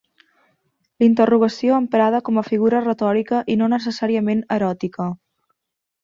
Interrogació emprada com a figura retòrica i no necessàriament eròtica.